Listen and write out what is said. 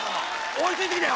追いついてきたよ